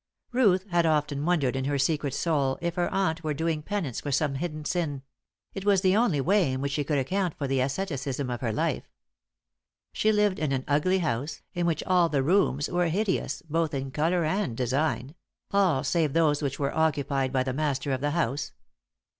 Ruth had often wondered in her secret soul if her aunt were doing penance for some hidden sin; it was the only way in which she could account for the asceticism of her life. She lived in an ugly house, in which all the rooms were hideous both in colour and design all, save those which were occupied by the master of the house.